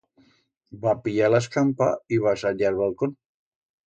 Va pillar la escampa y va sallir a'l balcón.